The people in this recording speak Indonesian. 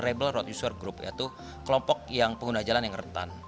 label road user group yaitu kelompok yang pengguna jalan yang rentan